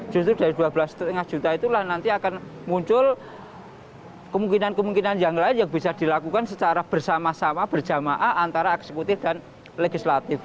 justru dari dua belas lima juta itulah nanti akan muncul kemungkinan kemungkinan yang lain yang bisa dilakukan secara bersama sama berjamaah antara eksekutif dan legislatif